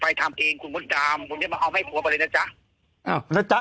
ไปที่บ้านกรอกมันว้างเหรอ